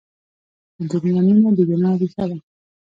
د دنیا مینه د ګناه ریښه ده.